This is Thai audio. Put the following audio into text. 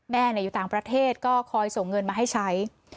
แม่อยู่ต่างประเทศช่วยส่งเงินให้ใช้